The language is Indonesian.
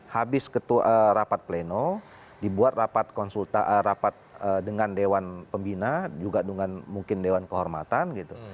habis rapat pleno dibuat rapat dengan dewan pembina juga dengan mungkin dewan kehormatan gitu